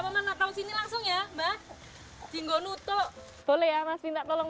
boleh ya mas pinta tolong mas